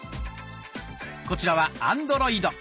こちらはアンドロイド。